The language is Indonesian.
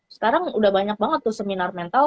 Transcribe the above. sekarang udah banyak banget tuh seminar mental